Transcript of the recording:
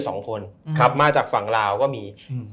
สองคนครับมาจากฝั่งลาวก็มีอืม